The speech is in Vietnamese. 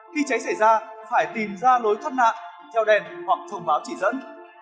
khi cháy xảy ra phải tìm ra lối thoát nạn theo đèn hoặc thông báo chỉ dẫn